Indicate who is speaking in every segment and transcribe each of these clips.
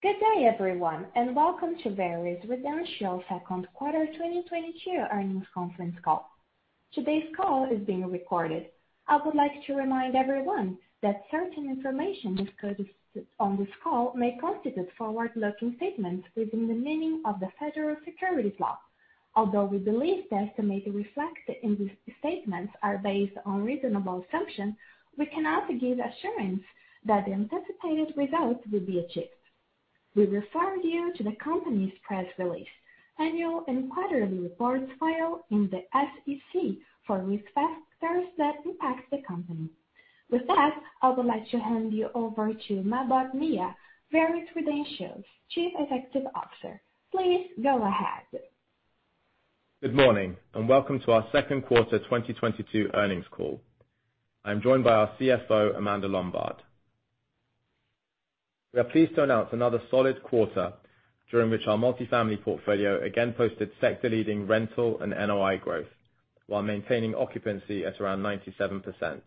Speaker 1: Good day, everyone, and welcome to Veris Residential second quarter 2022 earnings conference call. Today's call is being recorded. I would like to remind everyone that certain information discussed on this call may constitute forward-looking statements within the meaning of the Federal Securities law. Although we believe the estimates reflected in these statements are based on reasonable assumption, we cannot give assurance that anticipated results will be achieved. We refer you to the company's press release, annual and quarterly reports filed in the SEC for risk factors that impact the company. With that, I would like to hand you over to Mahbod Nia, Veris Residential's Chief Executive Officer. Please go ahead.
Speaker 2: Good morning, and welcome to our second quarter 2022 earnings call. I'm joined by our CFO, Amanda Lombard. We are pleased to announce another solid quarter during which our multifamily portfolio again posted sector-leading rental and NOI growth while maintaining occupancy at around 97%.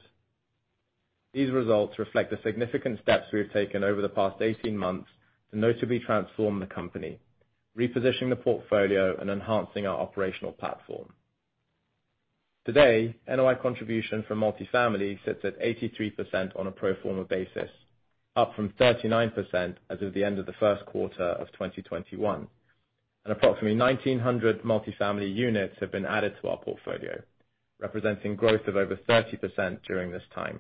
Speaker 2: These results reflect the significant steps we have taken over the past 18 months to noticeably transform the company, repositioning the portfolio and enhancing our operational platform. Today, NOI contribution from multifamily sits at 83% on a pro forma basis, up from 39% as of the end of the first quarter of 2021. Approximately 1,900 multifamily units have been added to our portfolio, representing growth of over 30% during this time.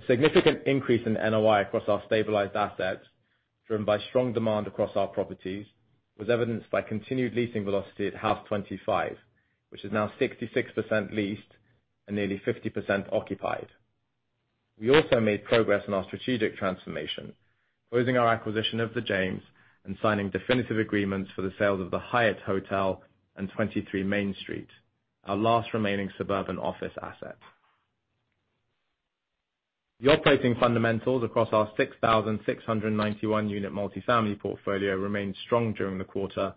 Speaker 2: A significant increase in NOI across our stabilized assets, driven by strong demand across our properties, was evidenced by continued leasing velocity at Haus25, which is now 66% leased and nearly 50% occupied. We also made progress in our strategic transformation, closing our acquisition of The James and signing definitive agreements for the sales of the Hyatt Regency Jersey City and 23 Main Street, our last remaining suburban office asset. The operating fundamentals across our 6,691 unit multifamily portfolio remained strong during the quarter,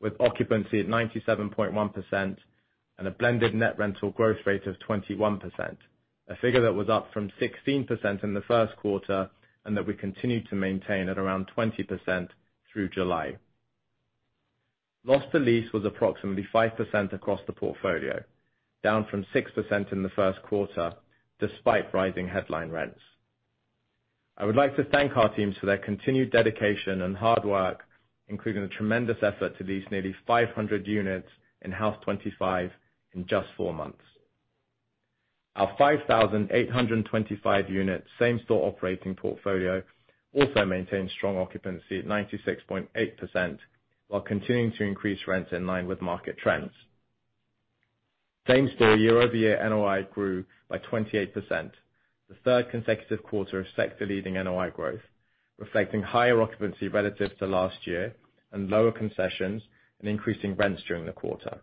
Speaker 2: with occupancy at 97.1% and a blended net rental growth rate of 21%, a figure that was up from 16% in the first quarter, and that we continued to maintain at around 20% through July. Loss to lease was approximately 5% across the portfolio, down from 6% in the first quarter, despite rising headline rents. I would like to thank our teams for their continued dedication and hard work, including the tremendous effort to lease nearly 500 units in Haus25 in just four months. Our 5,825 units, same-store operating portfolio also maintained strong occupancy at 96.8% while continuing to increase rents in line with market trends. Same-store year-over-year NOI grew by 28%, the third consecutive quarter of sector-leading NOI growth, reflecting higher occupancy relative to last year and lower concessions and increasing rents during the quarter.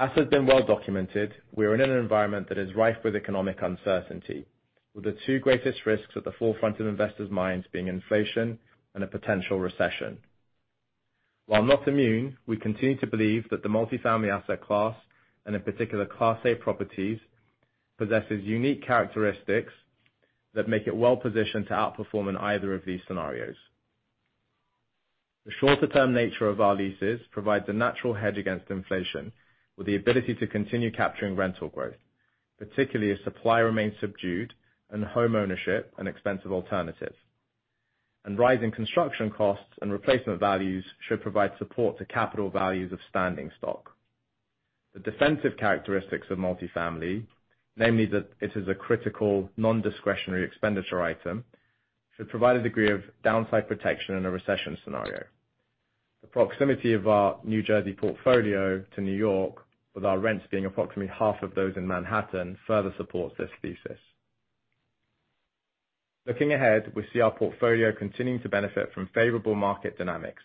Speaker 2: As has been well documented, we're in an environment that is rife with economic uncertainty, with the two greatest risks at the forefront of investors' minds being inflation and a potential recession. While not immune, we continue to believe that the multifamily asset class, and in particular Class A properties, possesses unique characteristics that make it well-positioned to outperform in either of these scenarios. The shorter-term nature of our leases provides a natural hedge against inflation, with the ability to continue capturing rental growth, particularly as supply remains subdued and homeownership an expensive alternative. Rising construction costs and replacement values should provide support to capital values of standing stock. The defensive characteristics of multifamily, namely that it is a critical nondiscretionary expenditure item, should provide a degree of downside protection in a recession scenario. The proximity of our New Jersey portfolio to New York, with our rents being approximately half of those in Manhattan, further supports this thesis. Looking ahead, we see our portfolio continuing to benefit from favorable market dynamics,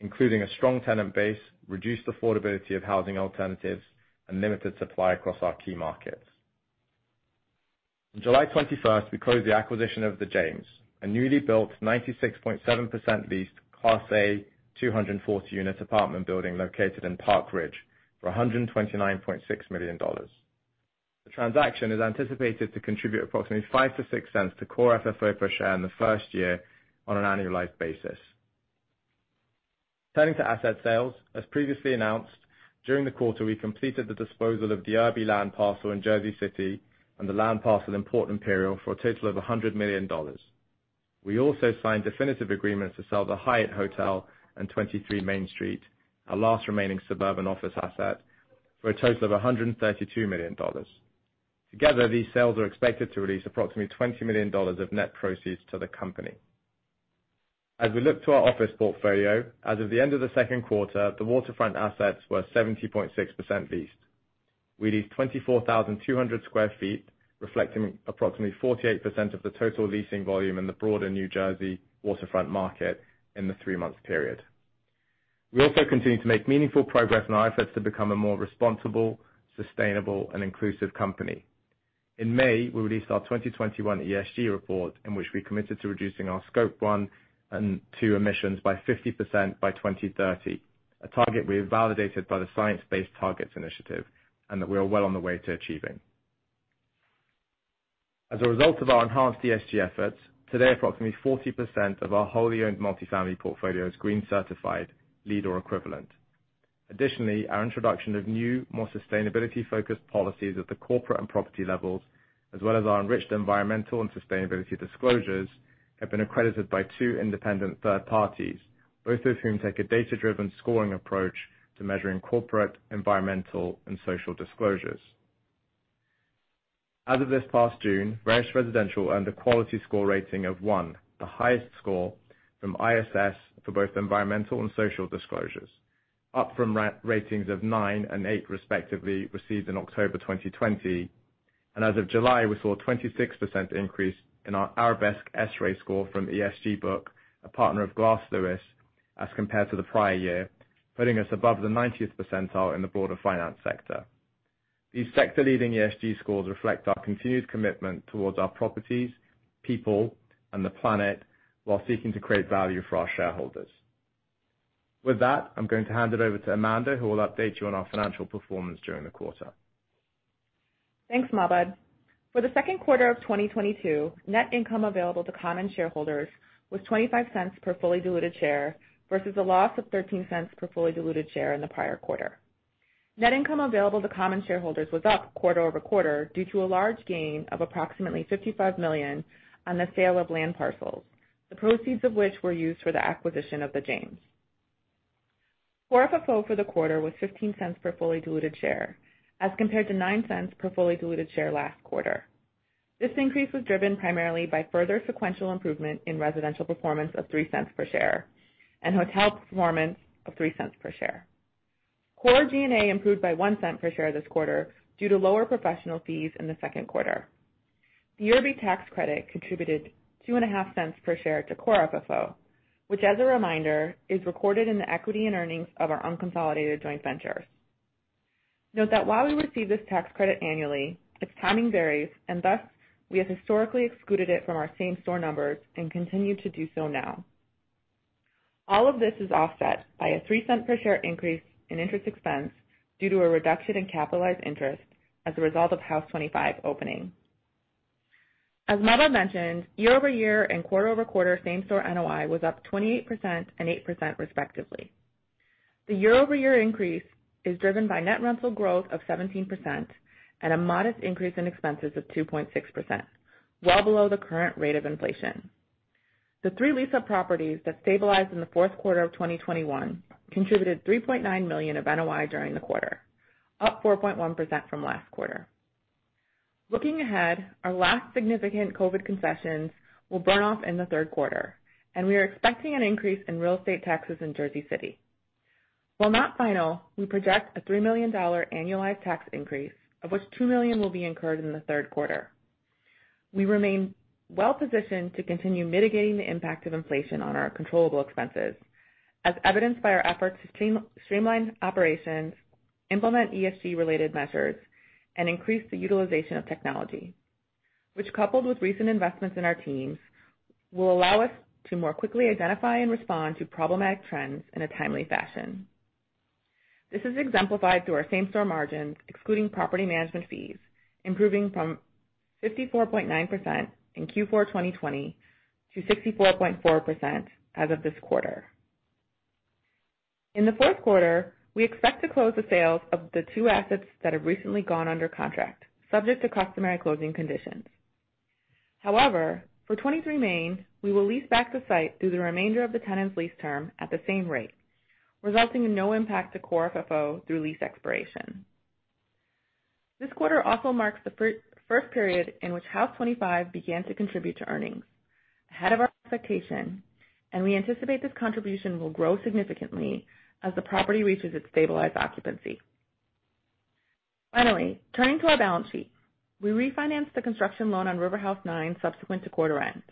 Speaker 2: including a strong tenant base, reduced affordability of housing alternatives, and limited supply across our key markets. On July 21st, we closed the acquisition of The James, a newly built 96.7% leased Class A 240-unit apartment building located in Park Ridge for $129.6 million. The transaction is anticipated to contribute approximately $0.05-$0.06 to core FFO per share in the first year on an annualized basis. Turning to asset sales, as previously announced, during the quarter, we completed the disposal of the Urby land parcel in Jersey City and the land parcel in Port Imperial for a total of $100 million. We also signed definitive agreements to sell the Hyatt Hotel and 23 Main Street, our last remaining suburban office asset, for a total of $132 million. Together, these sales are expected to release approximately $20 million of net proceeds to the company. As we look to our office portfolio, as of the end of the second quarter, the waterfront assets were 70.6% leased. We leased 24,200 sq ft, reflecting approximately 48% of the total leasing volume in the broader New Jersey waterfront market in the three-month period. We also continue to make meaningful progress in our efforts to become a more responsible, sustainable and inclusive company. In May, we released our 2021 ESG report in which we committed to reducing our Scope 1 and 2 emissions by 50% by 2030. A target we have validated by the Science Based Targets initiative, and that we are well on the way to achieving. As a result of our enhanced ESG efforts, today approximately 40% of our wholly owned multi-family portfolio is green certified, LEED or equivalent. Additionally, our introduction of new, more sustainability focused policies at the corporate and property levels, as well as our enriched environmental and sustainability disclosures, have been accredited by two independent third parties, both of whom take a data driven scoring approach to measuring corporate, environmental, and social disclosures. As of this past June, Veris Residential earned a quality score rating of 1, the highest score from ISS for both environmental and social disclosures, up from ratings of 9 and 8 respectively received in October 2020. As of July, we saw a 26% increase in our Arabesque S-Ray score from ESG Book, a partner of Glass Lewis, as compared to the prior year, putting us above the 90th percentile in the broader finance sector. These sector leading ESG scores reflect our continued commitment towards our properties, people, and the planet, while seeking to create value for our shareholders. With that, I'm going to hand it over to Amanda, who will update you on our financial performance during the quarter.
Speaker 3: Thanks, Mahbod Nia. For the second quarter of 2022, net income available to common shareholders was 25 cents per fully diluted share versus a loss of 13 cents per fully diluted share in the prior quarter. Net income available to common shareholders was up quarter-over-quarter due to a large gain of approximately $55 million on the sale of land parcels, the proceeds of which were used for the acquisition of The James. Core FFO for the quarter was 15 cents per fully diluted share as compared to 9 cents per fully diluted share last quarter. This increase was driven primarily by further sequential improvement in residential performance of 3 cents per share and hotel performance of 3 cents per share. Core G&A improved by 1 cent per share this quarter due to lower professional fees in the second quarter. The Urby tax credit contributed $0.025 per share to Core FFO, which as a reminder, is recorded in the equity and earnings of our unconsolidated joint ventures. Note that while we receive this tax credit annually, its timing varies, and thus, we have historically excluded it from our same store numbers and continue to do so now. All of this is offset by a $0.03 per share increase in interest expense due to a reduction in capitalized interest as a result of Haus25 opening. As Mahbod mentioned, year-over-year and quarter-over-quarter same store NOI was up 28% and 8% respectively. The year-over-year increase is driven by net rental growth of 17% and a modest increase in expenses of 2.6%, well below the current rate of inflation. The 3 lease-up properties that stabilized in the fourth quarter of 2021 contributed $3.9 million of NOI during the quarter, up 4.1% from last quarter. Looking ahead, our last significant COVID concessions will burn off in the third quarter, and we are expecting an increase in real estate taxes in Jersey City. While not final, we project a $3 million annualized tax increase, of which $2 million will be incurred in the third quarter. We remain well-positioned to continue mitigating the impact of inflation on our controllable expenses, as evidenced by our efforts to streamline operations, implement ESG-related measures, and increase the utilization of technology, which coupled with recent investments in our teams, will allow us to more quickly identify and respond to problematic trends in a timely fashion. This is exemplified through our same store margin, excluding property management fees, improving from 54.9% in Q4 2020 to 64.4% as of this quarter. In the fourth quarter, we expect to close the sales of the two assets that have recently gone under contract, subject to customary closing conditions. However, for 23 Main, we will lease back the site through the remainder of the tenant's lease term at the same rate, resulting in no impact to Core FFO through lease expiration. This quarter also marks the first period in which Haus25 began to contribute to earnings, ahead of our expectation, and we anticipate this contribution will grow significantly as the property reaches its stabilized occupancy. Finally, turning to our balance sheet. We refinanced the construction loan on RiverHouse 9 subsequent to quarter end.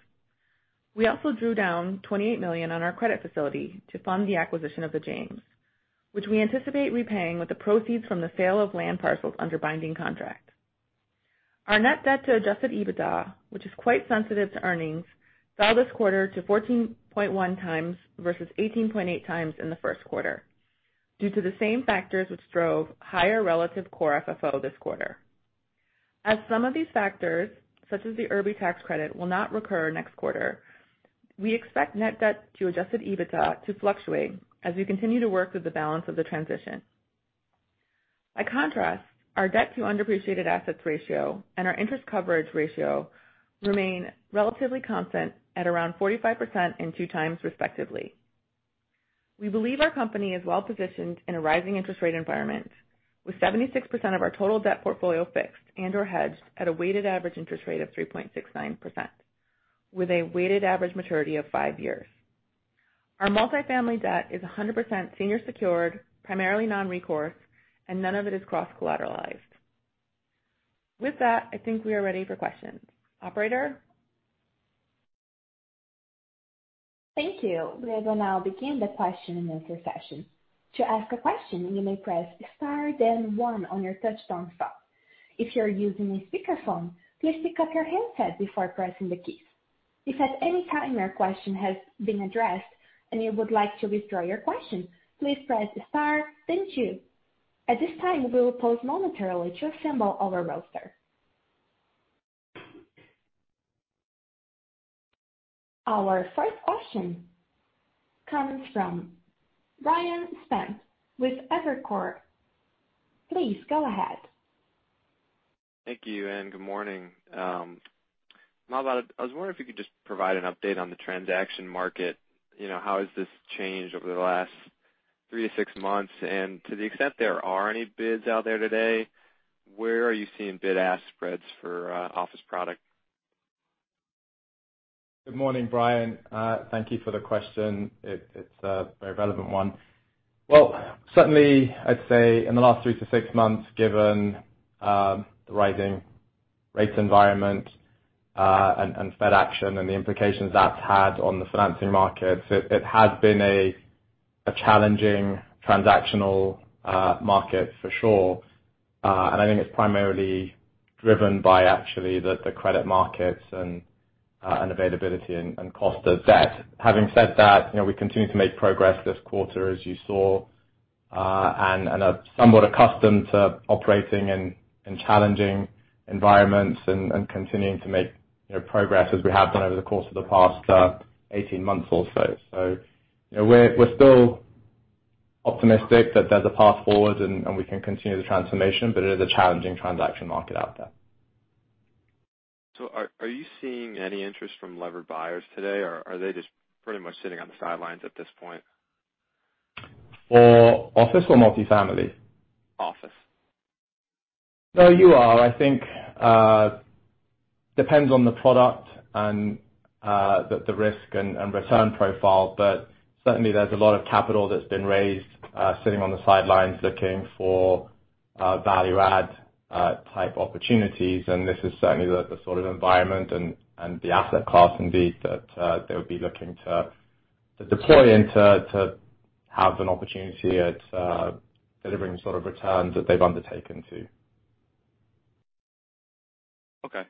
Speaker 3: We also drew down $28 million on our credit facility to fund the acquisition of The James, which we anticipate repaying with the proceeds from the sale of land parcels under binding contract. Our net debt to adjusted EBITDA, which is quite sensitive to earnings, fell this quarter to 14.1 times versus 18.8 times in the first quarter due to the same factors which drove higher relative Core FFO this quarter. As some of these factors, such as the Urby tax credit, will not recur next quarter, we expect net debt to adjusted EBITDA to fluctuate as we continue to work through the balance of the transition. By contrast, our debt to undepreciated assets ratio and our interest coverage ratio remain relatively constant at around 45% and 2 times respectively. We believe our company is well-positioned in a rising interest rate environment with 76% of our total debt portfolio fixed and/or hedged at a weighted average interest rate of 3.69% with a weighted average maturity of 5 years. Our multi-family debt is 100% senior secured, primarily non-recourse, and none of it is cross-collateralized. With that, I think we are ready for questions. Operator?
Speaker 1: Thank you. We will now begin the question and answer session. To ask a question, you may press star then one on your touch-tone phone. If you are using a speakerphone, please pick up your handset before pressing the keys. If at any time your question has been addressed and you would like to withdraw your question, please press star then two. At this time, we will pause momentarily to assemble our roster. Our first question comes from Steve Sakwa with Evercore ISI. Please go ahead.
Speaker 4: Thank you, and good morning. Mahbod Nia, I was wondering if you could just provide an update on the transaction market, you know, how has this changed over the last 3-6 months? To the extent there are any bids out there today, where are you seeing bid-ask spreads for office product?
Speaker 2: Good morning, Steve. Thank you for the question. It's a very relevant one. Well, certainly, I'd say in the last 3-6 months, given the rising rate environment, and Fed action and the implications that's had on the financing markets, it has been a challenging transactional market for sure. I think it's primarily driven by actually the credit markets and availability and cost of debt. Having said that, you know, we continue to make progress this quarter, as you saw, and are somewhat accustomed to operating in challenging environments and continuing to make, you know, progress as we have done over the course of the past 18 months or so. you know, we're still optimistic that there's a path forward and we can continue the transformation, but it is a challenging transaction market out there.
Speaker 4: Are you seeing any interest from levered buyers today, or are they just pretty much sitting on the sidelines at this point?
Speaker 2: For office or multifamily?
Speaker 4: Office.
Speaker 2: No, you are. I think depends on the product and the risk and return profile, but certainly there's a lot of capital that's been raised sitting on the sidelines looking for value add type opportunities. This is certainly the sort of environment and the asset class indeed that they would be looking to deploy and to have an opportunity at delivering the sort of returns that they've undertaken to.
Speaker 4: Okay.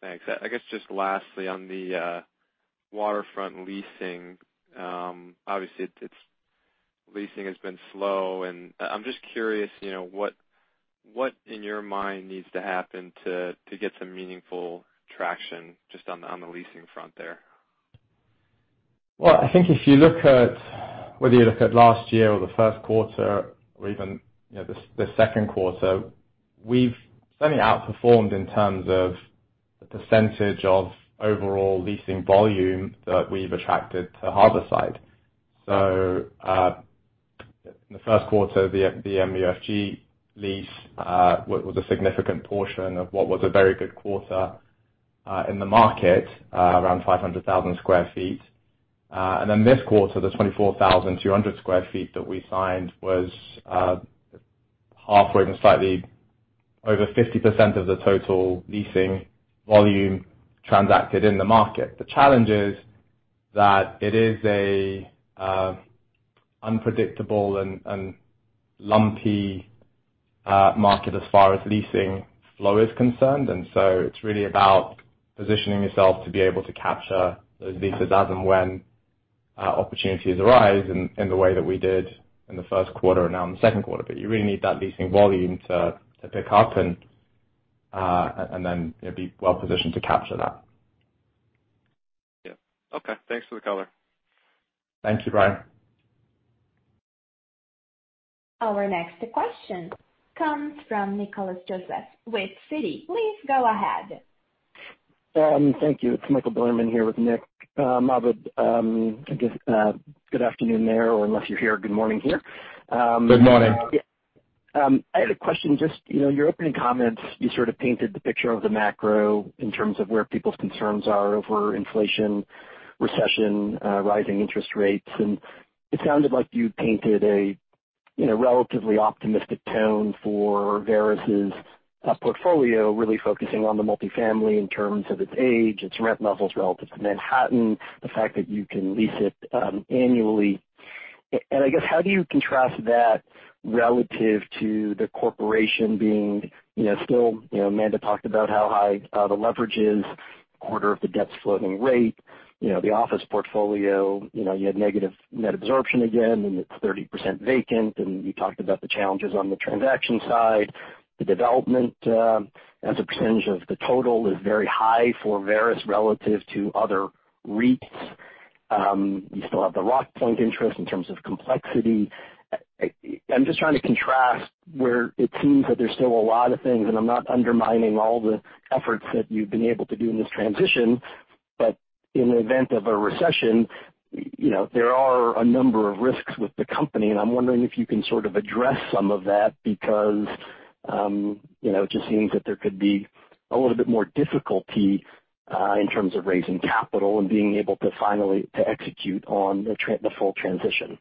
Speaker 4: Thanks. I guess just lastly, on the Waterfront leasing, obviously it's leasing has been slow and I'm just curious, you know, what in your mind needs to happen to get some meaningful traction just on the leasing front there?
Speaker 2: Well, I think if you look at whether you look at last year or the first quarter or even, you know, the second quarter, we've certainly outperformed in terms of the percentage of overall leasing volume that we've attracted to Harborside. In the first quarter, the MUFG lease was a significant portion of what was a very good quarter in the market around 500,000 sq ft. Then this quarter, the 24,200 sq ft that we signed was halfway and slightly over 50% of the total leasing volume transacted in the market. The challenge is that it is a unpredictable and lumpy market as far as leasing flow is concerned, and so it's really about positioning yourself to be able to capture those leases as and when opportunities arise in the way that we did in the first quarter and now in the second quarter. You really need that leasing volume to pick up and then you know be well positioned to capture that.
Speaker 4: Yeah. Okay. Thanks for the color.
Speaker 2: Thank you, Steve Sakwa.
Speaker 1: Our next question comes from Nicholas Joseph with Citi. Please go ahead.
Speaker 5: Thank you. It's Michael Bilerman here with Nick. Mahbod, I guess, good afternoon there, or unless you're here, good morning here.
Speaker 2: Good morning.
Speaker 5: Yeah. I had a question just, you know, your opening comments, you sort of painted the picture of the macro in terms of where people's concerns are over inflation, recession, rising interest rates. It sounded like you painted a, you know, relatively optimistic tone for Veris's, uh, portfolio, really focusing on the multifamily in terms of its age, its rent levels relative to Manhattan, the fact that you can lease it annually. And I guess, how do you contrast that relative to the corporation being, you know, still, you know, Amanda talked about how high, uh, the leverage is, a quarter of the debt's floating rate, you know, the office portfolio, you know, you had negative net absorption again, and it's 30% vacant, and you talked about the challenges on the transaction side. The development, as a percentage of the total is very high for Veris relative to other REITs. You still have the Rockpoint interest in terms of complexity. I'm just trying to contrast where it seems that there's still a lot of things, and I'm not undermining all the efforts that you've been able to do in this transition, but in the event of a recession, you know, there are a number of risks with the company, and I'm wondering if you can sort of address some of that because, you know, it just seems that there could be a little bit more difficulty, in terms of raising capital and being able to finally to execute on the full transition.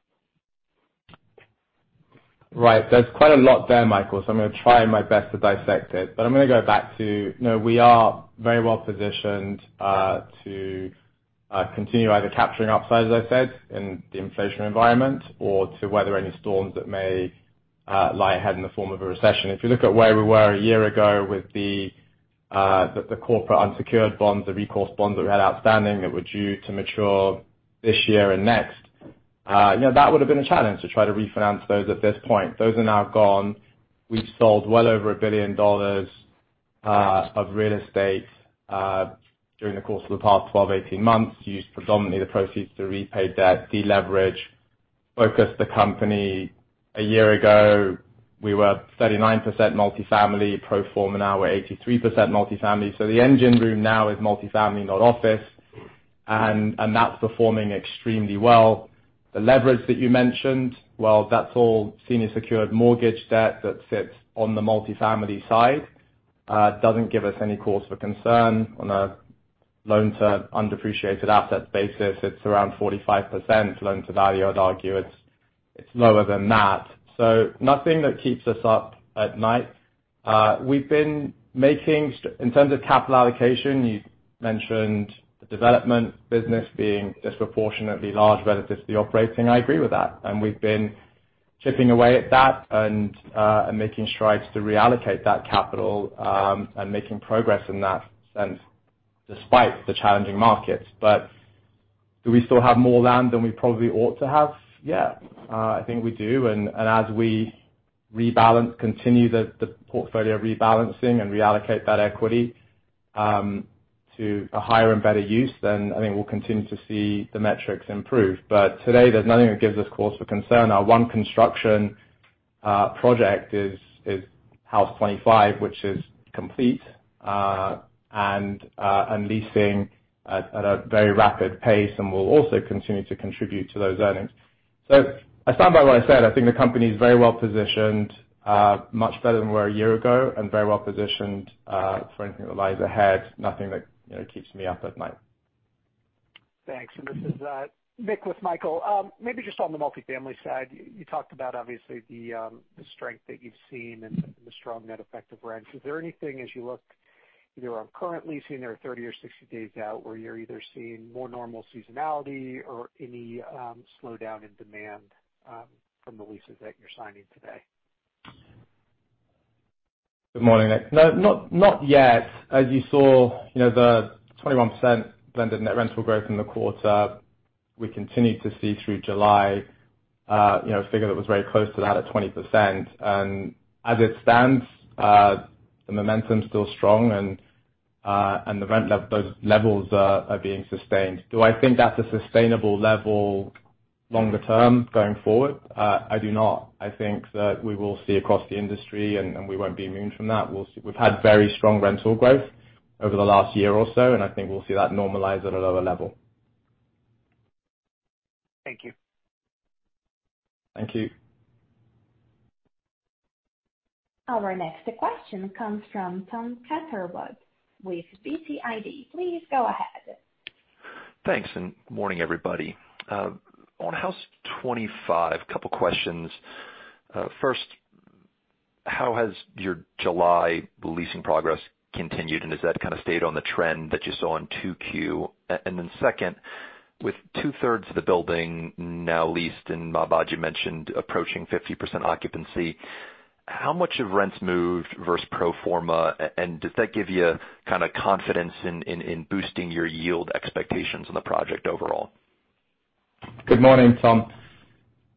Speaker 2: Right. There's quite a lot there, Michael, so I'm gonna try my best to dissect it. I'm gonna go back to, you know, we are very well positioned to continue either capturing upside, as I said, in the inflation environment or to weather any storms that may lie ahead in the form of a recession. If you look at where we were a year ago with the corporate unsecured bonds, the recourse bonds that we had outstanding that were due to mature this year and next, you know, that would have been a challenge to try to refinance those at this point. Those are now gone. We've sold well over $1 billion of real estate during the course of the past 12-18 months, used predominantly the proceeds to repay debt, deleverage, focus the company. A year ago, we were 39% multifamily. Pro forma now we're 83% multifamily. The engine room now is multifamily, not office, and that's performing extremely well. The leverage that you mentioned, well, that's all senior secured mortgage debt that sits on the multifamily side. It doesn't give us any cause for concern on a loan-to-undepreciated asset basis. It's around 45% loan to value. I'd argue it's lower than that. Nothing that keeps us up at night. In terms of capital allocation, you mentioned the development business being disproportionately large relative to the operating. I agree with that. We've been chipping away at that and making strides to reallocate that capital and making progress in that sense despite the challenging markets. Do we still have more land than we probably ought to have? Yeah, I think we do. As we rebalance, continue the portfolio rebalancing and reallocate that equity, to a higher and better use, then I think we'll continue to see the metrics improve. Today, there's nothing that gives us cause for concern. Our one construction project is Haus25, which is complete, and leasing at a very rapid pace and will also continue to contribute to those earnings. I stand by what I said. I think the company is very well positioned, much better than we were a year ago, and very well positioned, for anything that lies ahead. Nothing that, you know, keeps me up at night.
Speaker 6: Thanks. This is Nick with Michael. Maybe just on the multifamily side, you talked about obviously the strength that you've seen and the strong net effective rents. Is there anything as you look either on current leasing or 30 or 60 days out, where you're either seeing more normal seasonality or any slowdown in demand from the leases that you're signing today?
Speaker 2: Good morning, Nick. No, not yet. As you saw, you know, the 21% blended net rental growth in the quarter, we continued to see through July, you know, a figure that was very close to that at 20%. As it stands, the momentum's still strong and the rent levels are being sustained. Do I think that's a sustainable level longer term going forward? I do not. I think that we will see across the industry and we won't be immune from that. We'll see. We've had very strong rental growth over the last year or so, and I think we'll see that normalize at a lower level.
Speaker 6: Thank you.
Speaker 2: Thank you.
Speaker 1: Our next question comes from Tom Catherwood with BTIG. Please go ahead.
Speaker 7: Thanks, good morning, everybody. On Haus25, a couple of questions. First, how has your July leasing progress continued, and has that kind of stayed on the trend that you saw in 2Q? And then second, with two-thirds of the building now leased and Mahbod Nia mentioned approaching 50% occupancy, how much have rents moved versus pro forma, and does that give you kind of confidence in boosting your yield expectations on the project overall?
Speaker 2: Good morning, Tom.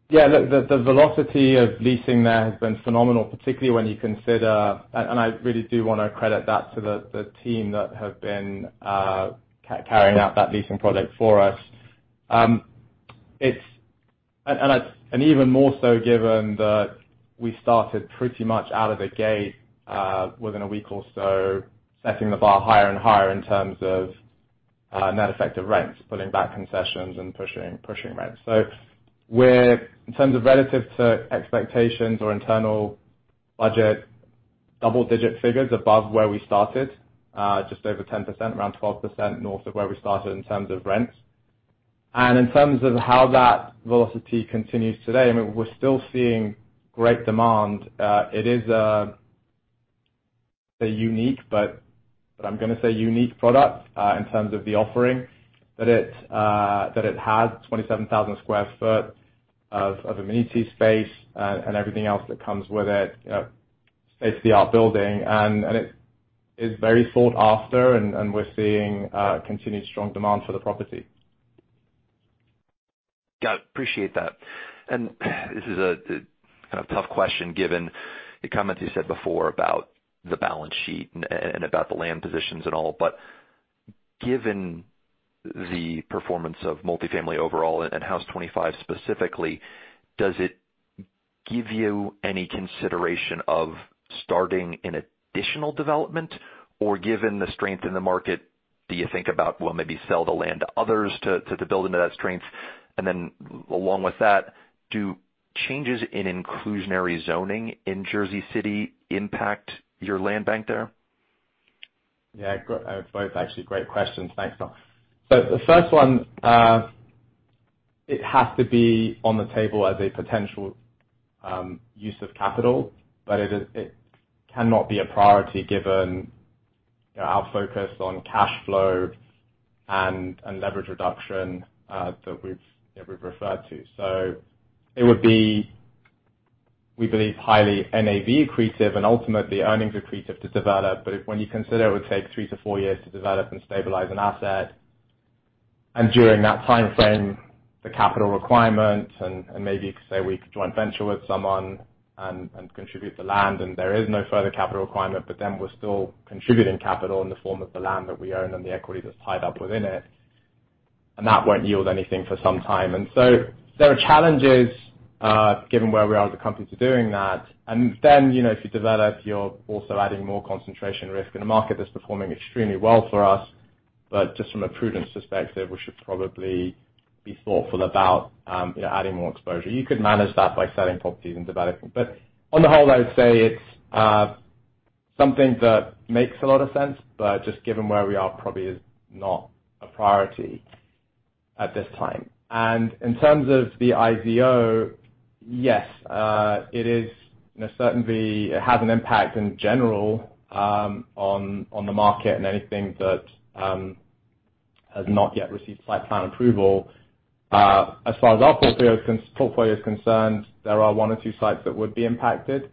Speaker 2: Yeah, look, the velocity of leasing there has been phenomenal, particularly when you consider, and I really do wanna credit that to the team that have been carrying out that leasing project for us. Even more so given that we started pretty much out of the gate, within a week or so, setting the bar higher and higher in terms of net effective rents, pulling back concessions and pushing rents. We're in terms of relative to expectations or internal budget, double-digit figures above where we started, just over 10%, around 12% north of where we started in terms of rents. In terms of how that velocity continues today, I mean, we're still seeing great demand. It is a unique, but I'm gonna say unique product in terms of the offering. That it has 27,000 sq ft of amenity space and everything else that comes with it, you know, state-of-the-art building. It is very sought after and we're seeing continued strong demand for the property.
Speaker 7: Got it. Appreciate that. This is a kind of tough question given the comments you said before about the balance sheet and about the land positions and all. Given the performance of multifamily overall and Haus25 specifically, does it give you any consideration of starting an additional development? Given the strength in the market, do you think about, well, maybe sell the land to others to build into that strength? Then along with that, do changes in inclusionary zoning in Jersey City impact your land bank there?
Speaker 2: Yeah, both actually great questions. Thanks, Tom. The first one, it has to be on the table as a potential use of capital, but it cannot be a priority given, you know, our focus on cash flow and leverage reduction that we've referred to. It would be, we believe, highly NAV accretive and ultimately earnings accretive to develop. If when you consider it would take 3-4 years to develop and stabilize an asset, and during that timeframe, the capital requirement and maybe say we could joint venture with someone and contribute the land and there is no further capital requirement, but then we're still contributing capital in the form of the land that we own and the equity that's tied up within it, and that won't yield anything for some time. There are challenges, given where we are as a company to doing that. You know, if you develop, you're also adding more concentration risk in a market that's performing extremely well for us. Just from a prudence perspective, we should probably be thoughtful about, you know, adding more exposure. You could manage that by selling properties and developing. On the whole, I'd say it's something that makes a lot of sense, but just given where we are, probably is not a priority at this time. In terms of the IZO, yes, it certainly has an impact in general, on the market and anything that has not yet received site plan approval. As far as our portfolio is concerned, there are one or two sites that would be impacted.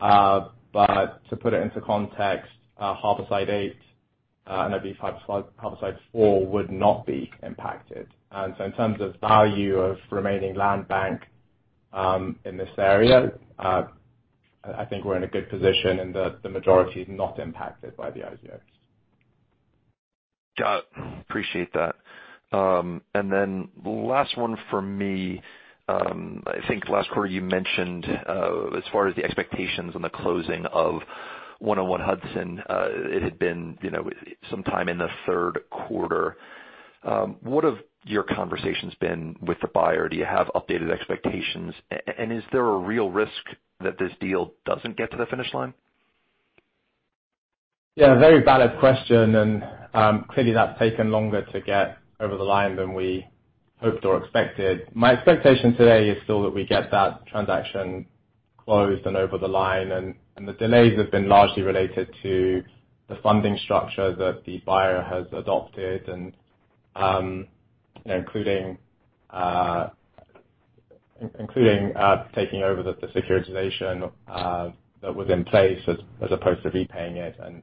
Speaker 2: To put it into context, Harborside 8 and I believe Harborside 4 would not be impacted. In terms of value of remaining land bank in this area, I think we're in a good position and the majority is not impacted by the IZO.
Speaker 7: Got it. Appreciate that. Last one for me. I think last quarter you mentioned, as far as the expectations on the closing of 101 Hudson, it had been, you know, sometime in the third quarter. What have your conversations been with the buyer? Do you have updated expectations? Is there a real risk that this deal doesn't get to the finish line?
Speaker 2: Yeah, very valid question, and clearly that's taken longer to get over the line than we hoped or expected. My expectation today is still that we get that transaction closed and over the line, and the delays have been largely related to the funding structure that the buyer has adopted, including taking over the securitization that was in place as opposed to repaying it and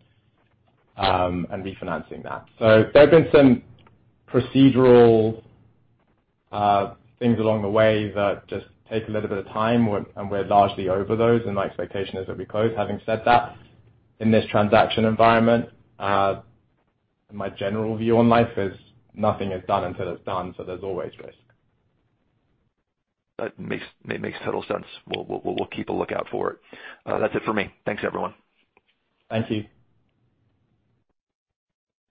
Speaker 2: refinancing that. There have been some procedural things along the way that just take a little bit of time and we're largely over those, and my expectation is that we close. Having said that, in this transaction environment, my general view on life is nothing is done until it's done, so there's always risk.
Speaker 7: That makes total sense. We'll keep a lookout for it. That's it for me. Thanks, everyone.
Speaker 2: Thank you.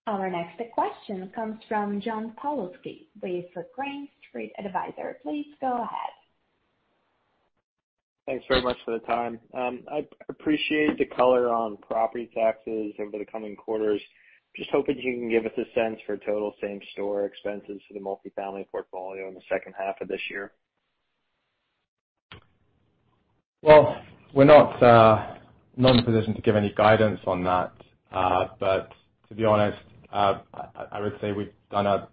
Speaker 1: Our next question comes from John Pawlowski with Green Street Advisors. Please go ahead.
Speaker 8: Thanks very much for the time. I appreciate the color on property taxes over the coming quarters. Just hoping you can give us a sense for total same store expenses for the multifamily portfolio in the second half of this year.
Speaker 2: We're not in a position to give any guidance on that. To be honest, I would say we've done a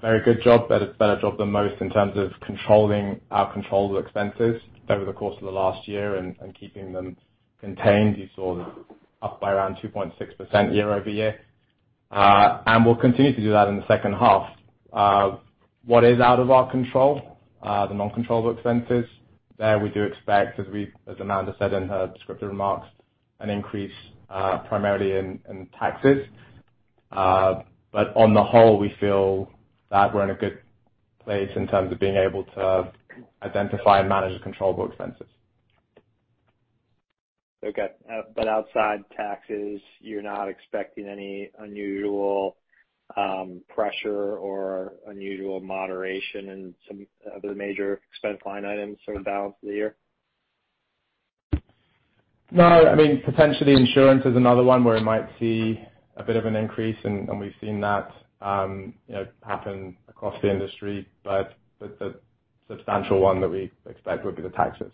Speaker 2: very good job, better job than most in terms of controlling our controllable expenses over the course of the last year and keeping them contained. You saw up by around 2.6% year-over-year. We'll continue to do that in the second half. What is out of our control, the non-controllable expenses, there we do expect, as Amanda said in her descriptive remarks, an increase, primarily in taxes. On the whole, we feel that we're in a good place in terms of being able to identify and manage the controllable expenses.
Speaker 8: Outside taxes, you're not expecting any unusual pressure or unusual moderation in some of the major expense line items for the balance of the year?
Speaker 2: No. I mean, potentially insurance is another one where we might see a bit of an increase and we've seen that, you know, happen across the industry. The substantial one that we expect would be the taxes.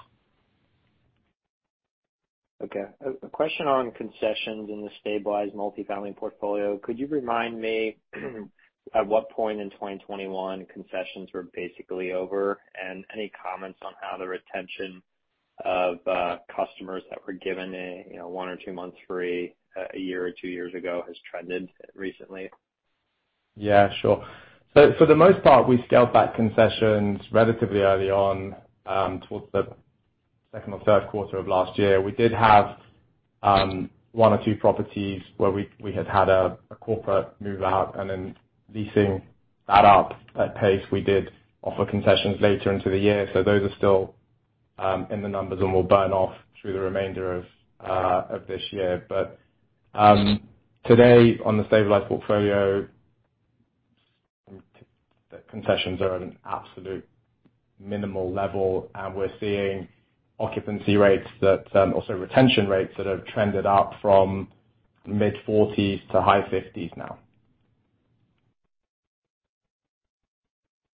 Speaker 8: Okay. A question on concessions in the stabilized multifamily portfolio. Could you remind me at what point in 2021 concessions were basically over? Any comments on how the retention of customers that were given a one or two months free a year or two years ago has trended recently?
Speaker 2: Yeah, sure. For the most part, we scaled back concessions relatively early on, towards the second or third quarter of last year. We did have one or two properties where we had had a corporate move out and then leasing that up at pace, we did offer concessions later into the year. Those are still in the numbers and will burn off through the remainder of this year. Today on the stabilized portfolio, the concessions are at an absolute minimal level, and we're seeing occupancy rates that also retention rates that have trended up from mid-40s% to high 50s% now.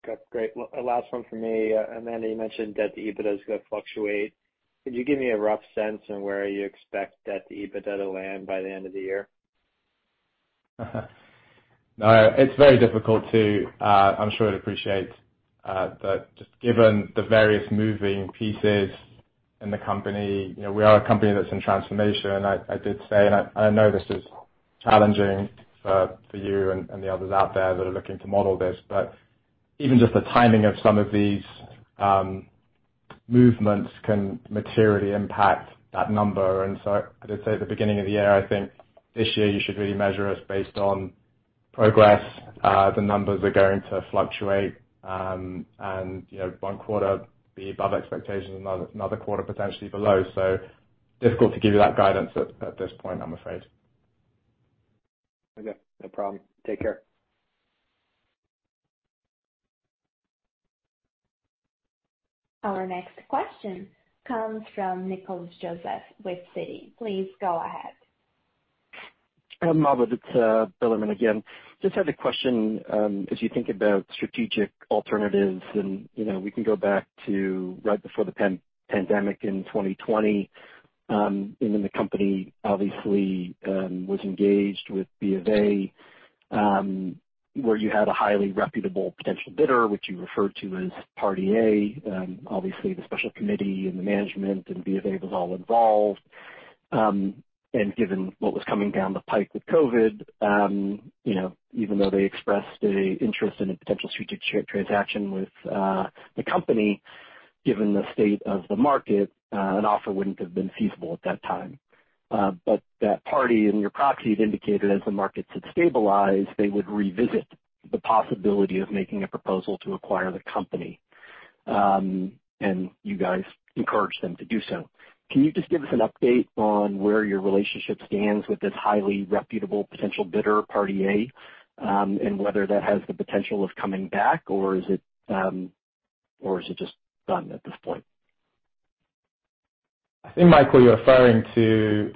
Speaker 8: Okay, great. Well, a last one for me. Amanda, you mentioned debt to EBITDA is gonna fluctuate. Could you give me a rough sense on where you expect debt to EBITDA to land by the end of the year?
Speaker 2: No, it's very difficult to, I'm sure you'd appreciate, that just given the various moving pieces in the company, you know, we are a company that's in transformation. I did say, and I know this is challenging for you and the others out there that are looking to model this, but even just the timing of some of these movements can materially impact that number. I did say at the beginning of the year, I think this year you should really measure us based on progress. The numbers are going to fluctuate. You know, one quarter be above expectations, another quarter potentially below. Difficult to give you that guidance at this point, I'm afraid.
Speaker 8: Okay, no problem. Take care.
Speaker 1: Our next question comes from Nicholas Joseph with Citi. Please go ahead.
Speaker 5: Mahbod, it's Bilerman again. Just had a question, as you think about strategic alternatives and, you know, we can go back to right before the pre-pandemic in 2020. The company obviously was engaged with BofA, where you had a highly reputable potential bidder, which you referred to as Party A. Obviously the special committee and the management and BofA was all involved. Given what was coming down the pipe with COVID, you know, even though they expressed an interest in a potential strategic share transaction with the company, given the state of the market, an offer wouldn't have been feasible at that time. That party in your proxy had indicated as the markets had stabilized, they would revisit the possibility of making a proposal to acquire the company. You guys encouraged them to do so. Can you just give us an update on where your relationship stands with this highly reputable potential bidder, Party A, and whether that has the potential of coming back, or is it just done at this point?
Speaker 2: I think, Michael, you're referring to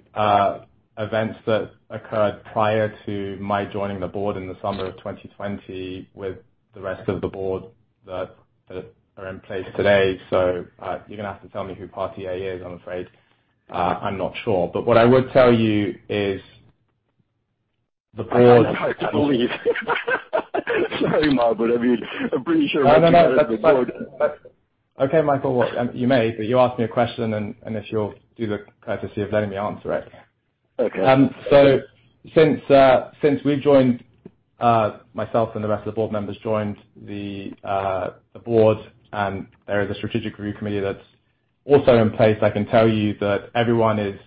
Speaker 2: events that occurred prior to my joining the board in the summer of 2020 with the rest of the board that are in place today. You're gonna have to tell me who Party A is, I'm afraid. I'm not sure. What I would tell you is the board-
Speaker 5: I believe. Sorry, Mahbod. I mean, I'm pretty sure-
Speaker 2: No, that's. Okay, Michael. Well, you may, but you asked me a question and if you'll do the courtesy of letting me answer it.
Speaker 5: Okay.
Speaker 2: Since we've joined, myself and the rest of the board members joined the board, and there is a strategic review committee that's also in place. I can tell you that everyone is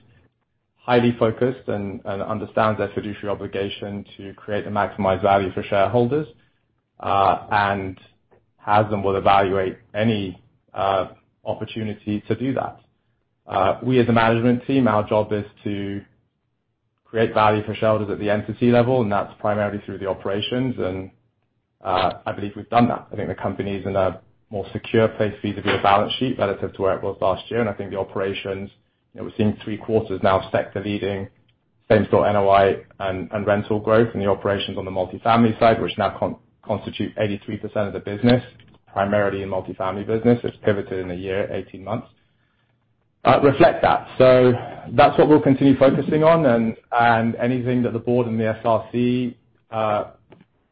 Speaker 2: highly focused and understands their fiduciary obligation to create and maximize value for shareholders, and has and will evaluate any opportunity to do that. We as a management team, our job is to create value for shareholders at the entity level, and that's primarily through the operations, and I believe we've done that. I think the company is in a more secure place vis-à-vis our balance sheet relative to where it was last year. I think the operations, you know, we're seeing three quarters now, sector-leading same store NOI and rental growth in the operations on the multifamily side, which now constitute 83% of the business, primarily in multifamily business. It's pivoted in a year, eighteen months, reflect that. That's what we'll continue focusing on and anything that the board and the SRC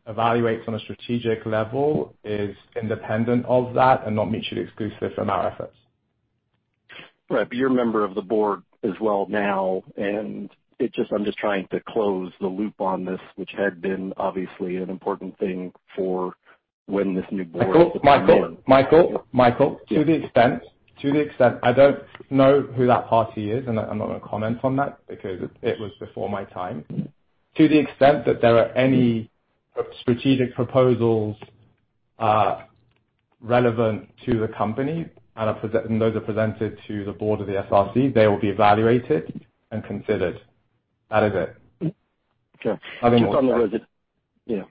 Speaker 2: evaluates on a strategic level is independent of that and not mutually exclusive in our efforts.
Speaker 5: Right. You're a member of the board as well now, and I'm just trying to close the loop on this, which had been obviously an important thing for when this new board.
Speaker 2: Michael.
Speaker 5: Yeah.
Speaker 2: To the extent I don't know who that party is, and I'm not gonna comment on that because it was before my time. To the extent that there are any strategic proposals relevant to the company and those are presented to the board of the SRC, they will be evaluated and considered. That is it.
Speaker 5: Okay.
Speaker 2: Nothing more.
Speaker 5: Just on the residential, yeah.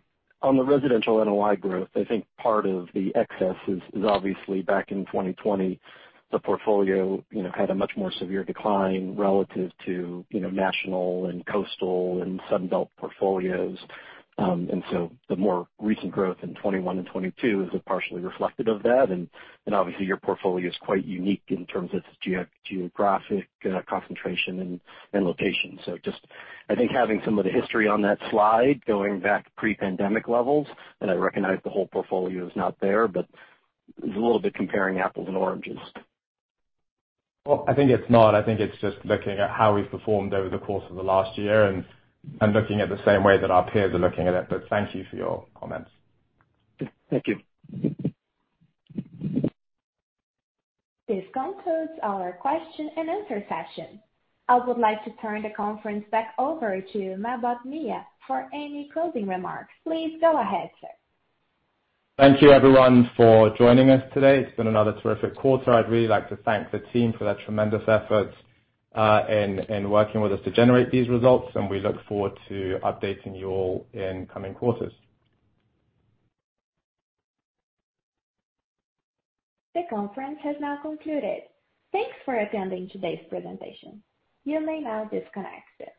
Speaker 5: On the residential NOI growth, I think part of the excess is obviously back in 2020, the portfolio, you know, had a much more severe decline relative to, you know, national and coastal and Sunbelt portfolios. The more recent growth in 2021 and 2022 is partially reflective of that. Obviously your portfolio is quite unique in terms of its geographic concentration and location. Just, I think having some of the history on that slide going back pre-pandemic levels, and I recognize the whole portfolio is not there, but it's a little bit comparing apples and oranges.
Speaker 2: Well, I think it's not. I think it's just looking at how we've performed over the course of the last year and looking at the same way that our peers are looking at it. Thank you for your comments.
Speaker 5: Thank you.
Speaker 1: This concludes our question and answer session. I would like to turn the conference back over to Mahbod Nia for any closing remarks. Please go ahead, sir.
Speaker 2: Thank you everyone for joining us today. It's been another terrific quarter. I'd really like to thank the team for their tremendous efforts, in working with us to generate these results, and we look forward to updating you all in coming quarters.
Speaker 1: The conference has now concluded. Thanks for attending today's presentation. You may now disconnect, sir.